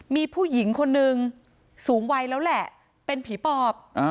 มีผู้หญิงคนนึงสูงวัยแล้วแหละเป็นผีปอบ